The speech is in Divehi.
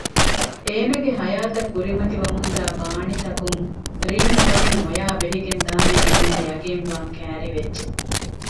އޭނަގެ ހަޔާތަށް ކުރިމަތި ވަމުންދާ ބާނިތަކުން ރީމް މުޅިން އޮޔާ ބެހިގެން ދާހެން އޭނައަށް ޔަގީންވާން ކައިރިވެއްޖެ